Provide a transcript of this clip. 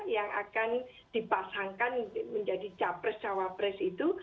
yang akan dipasangkan menjadi capres cawapres itu